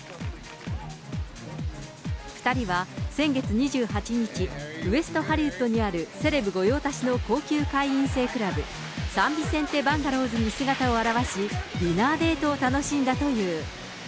２人は先月２８日、ウエストハリウッドにあるセレブ御用達の高級会員制クラブ、サンビセンテ・バンガローズに姿を現し、ディナーデートを楽しんだという。